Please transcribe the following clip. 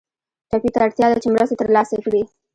ټپي ته اړتیا ده چې مرسته تر لاسه کړي.